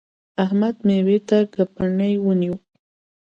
احمد؛ مېوې ته ګبڼۍ ونیو.